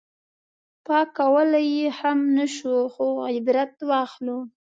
پاک کولی یې هم نه شو خو عبرت واخلو.